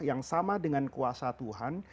yang sama dengan kuasa tuhan